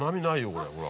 これほら。